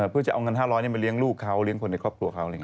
เพื่อจะเอาเงิน๕๐๐มาเลี้ยงลูกเขาเลี้ยงคนในครอบครัวเขา